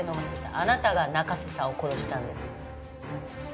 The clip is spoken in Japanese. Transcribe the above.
あなたが中瀬さんを殺したのよ。